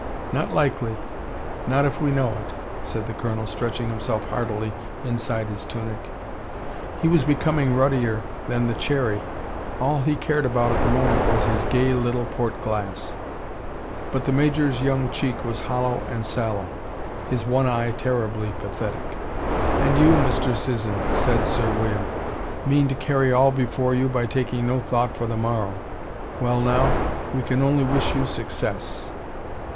"Not likely. Not if we know it," said the Colonel, stretching himself heartily inside his tunic. He was becoming ruddier than the cherry. All he cared about at the moment was his gay little port glass. But the Major's young cheek was hollow and sallow, his one eye terribly pathetic. "And you, Mr. Sisson," said Sir William, "mean to carry all before you by taking no thought for the morrow. Well, now, we can only wish you success."